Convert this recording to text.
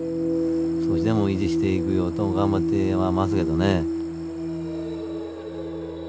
少しでも維持していくようと頑張ってはますけどね。